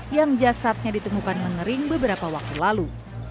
yang jasadnya ditemukan mengering beberapa waktu lalu